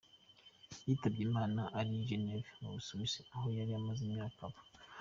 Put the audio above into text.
Yitabye Imana ari i Genève mu Busuwisi, aho yari amaze imyaka aba.